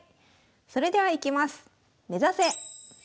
それではいきます。